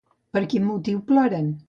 Per quin motiu ploren?